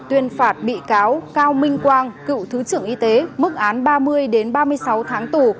tuyên phạt bị cáo cao minh quang cựu thứ trưởng y tế mức án ba mươi ba mươi sáu tháng tù